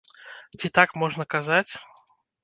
Ці так можна казаць?